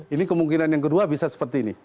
ini kemungkinan yang kedua bisa seperti ini